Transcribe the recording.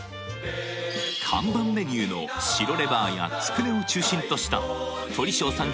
看板メニューの白レバーやつくねを中心とした鳥勝さん